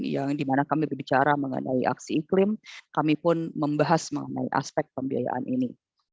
yang dimana kami berbicara mengenai aksi iklim kami pun membahas mengenai aspek pembiayaan ini